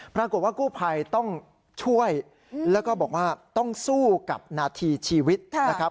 ปรากฏว่ากู้ภัยต้องช่วยแล้วก็บอกว่าต้องสู้กับนาทีชีวิตนะครับ